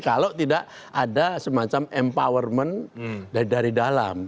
kalau tidak ada semacam empowerment dari dalam